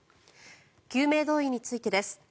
救命胴衣についてです。